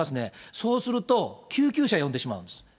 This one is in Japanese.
そうすると、救急車呼んでしまうんです。